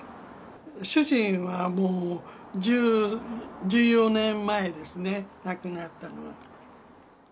主人はもう１４年前ですね、亡くなったのは。